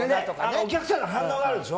お客さんの反応があるでしょ。